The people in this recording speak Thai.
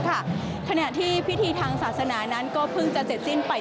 ขณะที่พิธีทางศาสนานั้นก็เพิ่งจะเสร็จสิ้นไป